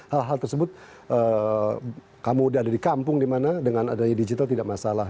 hal hal tersebut kamu udah ada di kampung di mana dengan adanya digital tidak masalah